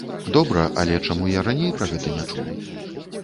Добра, але чаму я раней пра гэта не чуў?